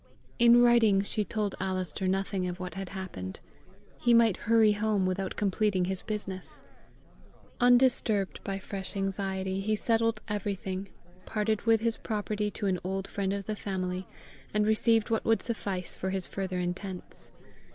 In writing she told Alister nothing of what had happened: he might hurry home without completing his business! Undisturbed by fresh anxiety, he settled everything, parted with his property to an old friend of the family, and received what would suffice for his further intents.